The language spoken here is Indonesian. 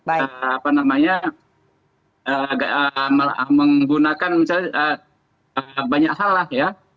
apa namanya menggunakan misalnya banyak hal lah ya